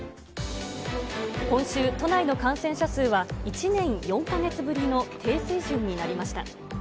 今週、都内の感染者数は１年４か月ぶりの低水準になりました。